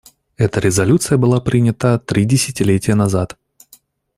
Эта резолюция была принята три десятилетия назад.